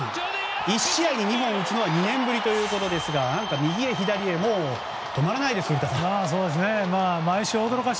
１試合に２本打つのは２年ぶりということですが右へ、左へもう止まらないです、古田さん。